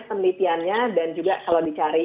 penelitiannya dan juga kalau dicari